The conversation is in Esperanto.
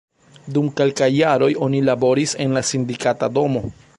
Dum kelkaj jaroj oni laboris en la Sindikata Domo.